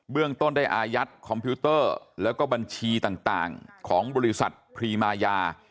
เรื่องต้นได้อายัดคอมพิวเตอร์แล้วก็บัญชีต่างของบริษัทพรีมายา